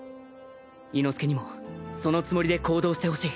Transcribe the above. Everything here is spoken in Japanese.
伊之助にもそのつもりで行動してほしい。